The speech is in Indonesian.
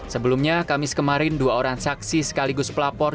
sebelumnya kamis kemarin dua orang saksi sekaligus pelapor